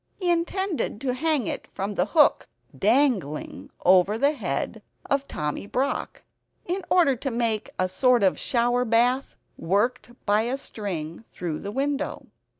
He intended to hang it from the hook, dangling over the head of Tommy Brock, in order to make a sort of shower bath, worked by a string, through the window.